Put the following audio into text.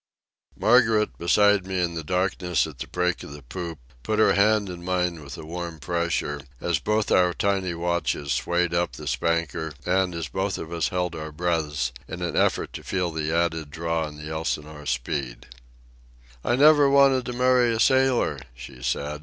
Margaret, beside me in the darkness at the break of the poop, put her hand in mine with a warm pressure, as both our tiny watches swayed up the spanker and as both of us held our breaths in an effort to feel the added draw in the Elsinore's speed. "I never wanted to marry a sailor," she said.